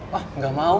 wah enggak mau